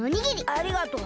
ありがとう。